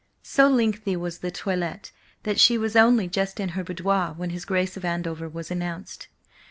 So lengthy was the toilet that she was only just in her boudoir when his Grace of Andover was announced.